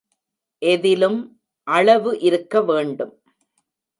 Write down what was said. எதிலும் அளவு இருக்கவேண்டும்.